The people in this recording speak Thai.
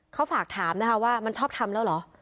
เขาฝากถามนะคะว่ามันชอบทำแล้วเหรอ